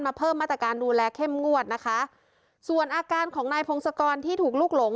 เพิ่มมาตรการดูแลเข้มงวดนะคะส่วนอาการของนายพงศกรที่ถูกลูกหลง